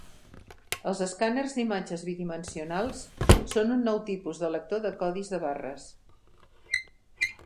Els escàners d'imatges bidimensionals són un nou tipus de lector de codis de barres.